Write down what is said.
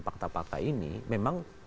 fakta fakta ini memang